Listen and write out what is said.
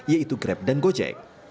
yaitu grab dan gojek